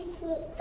３。